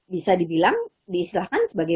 bisa dibilang diistilahkan sebagai